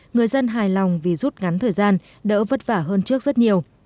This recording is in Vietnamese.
người dân hài lòng vì rút ngắn thời gian đỡ vất vả hơn trước rất nhiều